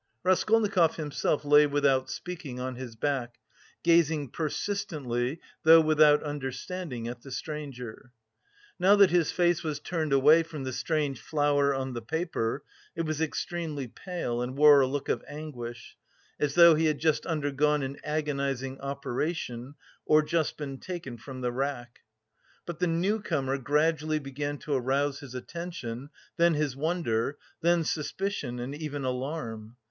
Raskolnikov himself lay without speaking, on his back, gazing persistently, though without understanding, at the stranger. Now that his face was turned away from the strange flower on the paper, it was extremely pale and wore a look of anguish, as though he had just undergone an agonising operation or just been taken from the rack. But the new comer gradually began to arouse his attention, then his wonder, then suspicion and even alarm.